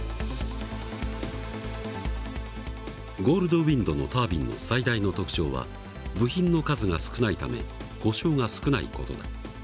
ゴールドウインドのタービンの最大の特徴は部品の数が少ないため故障が少ない事だ。